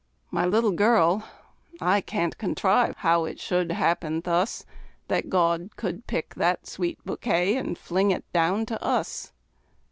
My little girl I can't contrive how it should happen thus That God could pick that sweet bouquet, and fling it down to us!